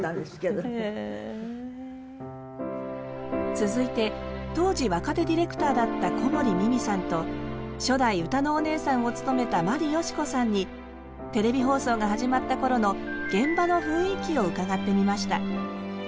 続いて当時若手ディレクターだった小森美巳さんと初代歌のお姉さんを務めた眞理ヨシコさんにテレビ放送が始まった頃の現場の雰囲気を伺ってみました。